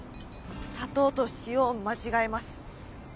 砂糖と塩を間違えます。